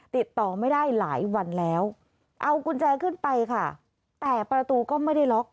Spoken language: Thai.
ติดต่อไม่ได้หลายวันแล้วเอากุญแจขึ้นไปค่ะแต่ประตูก็ไม่ได้ล็อก